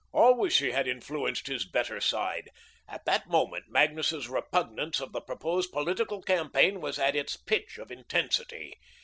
Always she had influenced his better side. At that moment, Magnus's repugnance of the proposed political campaign was at its pitch of intensity.